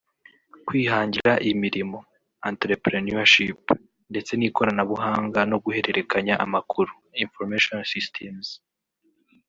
Kwihangira Imirimo (Entrepreneurship) ndetse n’Ikoranabuhanga no guhererekanya amakuru (Information Systems)